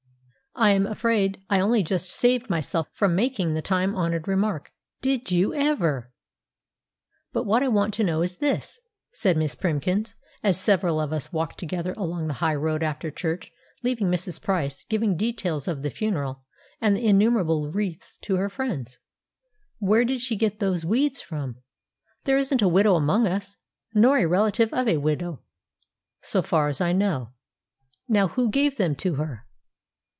I am afraid I only just saved myself from making the time honoured remark, "Did you EVER!" "But what I want to know is this," said Miss Primkins (as several of us walked together along the high road after church, leaving Mrs. Price giving details of the funeral, and the innumerable wreaths, to her friends). "Where did she get those weeds from? There isn't a widow among us, nor a relative of a widow, so far as I know. Now who gave them to her?"